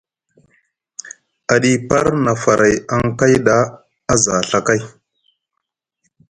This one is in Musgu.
Aɗipar na faray aŋ kay ɗa a za Ɵa kay.